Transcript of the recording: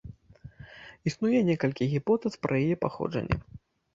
Існуе некалькі гіпотэз пра яе паходжанне.